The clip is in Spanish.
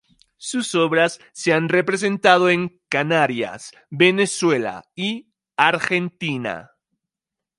Sus obras se han representado en Canarias, Venezuela y Argentina.